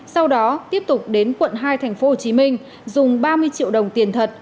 sau đó tiếp tục đến quận hai thành phố hồ chí minh dùng ba mươi triệu đồng tiền thật